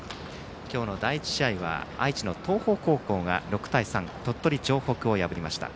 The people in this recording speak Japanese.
今日の第１試合は愛知の東邦高校が６対３で鳥取城北を破りました。